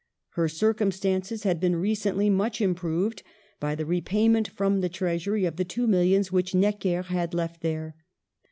Her circumstances had been recently much improved by the repayment from the Treas ury of the two millions which Necker had left there.